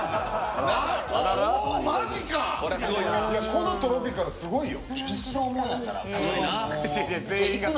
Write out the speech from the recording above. このトロピカル、すごいよ。